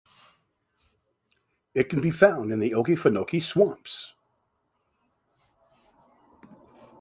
It can be found in the Okefenokee swamps.